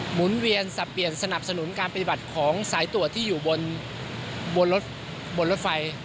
หนุนเวียนสับเปลี่ยนสนับสนุนการปฏิบัติของสายตรวจที่อยู่บนรถบนรถไฟ